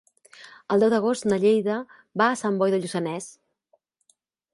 El deu d'agost na Neida va a Sant Boi de Lluçanès.